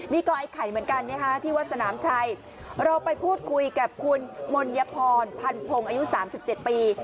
นี่ก็ไอ้ไข่เหมือนกันนะคะที่วัดสนามชัยเราไปพูดคุยกับคุณมนยพรพันพงศ์อายุ๓๗ปี